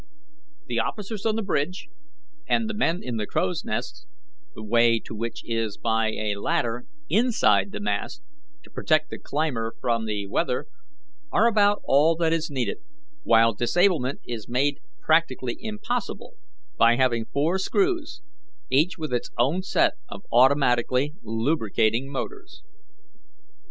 The officers on the bridge and the men in the crow's nest the way to which is by a ladder INSIDE the mast, to protect the climber from the weather are about all that is needed; while disablement is made practically impossible, by having four screws, each with its own set of automatically lubricating motors.